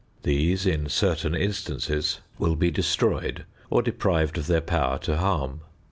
These, in certain instances, will be destroyed or deprived of their power to harm.